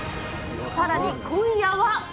さらに今夜は。